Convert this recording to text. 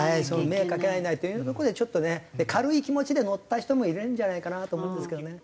迷惑かけられないというところでちょっとね軽い気持ちで乗った人もいるんじゃないかなと思うんですけどね。